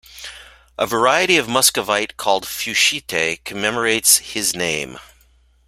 A variety of muscovite called fuchsite commemorates his name.